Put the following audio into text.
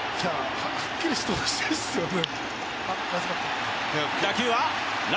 はっきりしてほしいですよね。